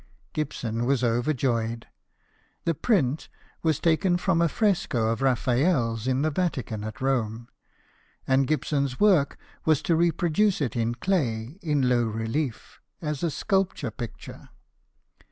Gibson was overjoyed. The print was taken from a fresco of Raphael's in the Vatican at Rome, and Gibson's work was to reproduce it in clay in low relief, as a sculpture picture.